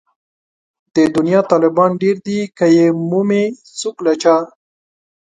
د دنيا طالبان ډېر دي که يې مومي څوک له چا